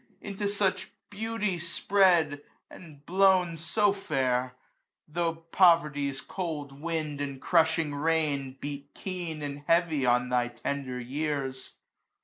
Into such beauty spread^ and blown so fair j ay^ *' Tho' poverty's cold wind, and crushing rain, •' Beat keen, and heavy, on thy tender years